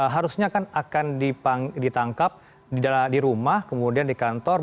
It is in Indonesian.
harusnya kan akan ditangkap di rumah kemudian di kantor